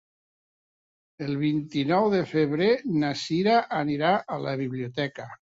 El vint-i-nou de febrer na Sira anirà a la biblioteca.